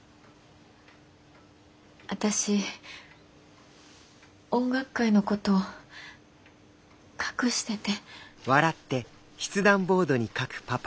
私音楽会のこと隠してて。